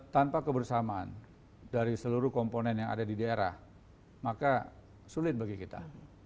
tanpa kebersamaan dari seluruh komponen yang ada di daerah maka sulit bagi kita